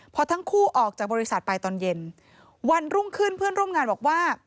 พอทั้งคู่ออกจากบริษัทไปตอนเย็นวันรุ่งขึ้นเพื่อนร่วมงานบอกว่า